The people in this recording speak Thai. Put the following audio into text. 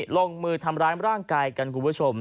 ลงมือทำร้ายร่างกายกันคุณผู้ชม